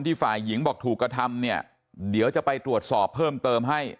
ฝ่ายหญิงบอกถูกกระทำเนี่ยเดี๋ยวจะไปตรวจสอบเพิ่มเติมให้